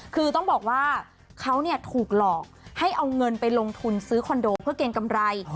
คือต้องบอกว่าเขาถูกหลอกให้เอาเงินไปลงทุนซื้อคอนโดเพื่อเกณฑ์กำไร